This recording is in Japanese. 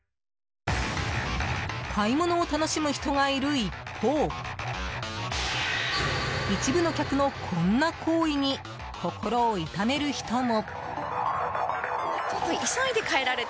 買い物を楽しむ人がいる一方一部の客のこんな行為に心を痛める人も。